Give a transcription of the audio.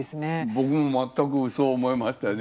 僕もまったくそう思いましたね。